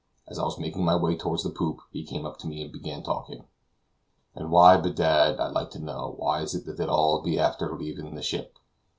As I was making my way toward the poop, he came up to me and began talking. "And why, bedad, I'd like to know, why is it that they'll all be afther lavin' the ship?"